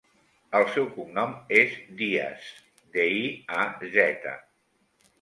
El seu cognom és Diaz: de, i, a, zeta.